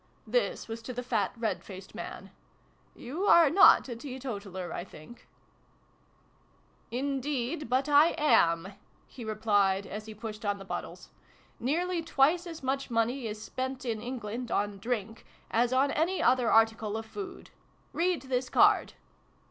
(This was to the fat red faced man.) " You are not a teetotaler, I think ?" ix] THE FAREWELL PARTY 139 " Indeed but I am !" he replied, as he pushed on the bottles. " Nearly twice as much money is spent in England on Drink, as on any other article of food. Read this card."